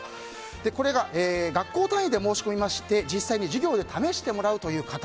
これが学校単位で申し込みまして実際に授業で試してもらうという形。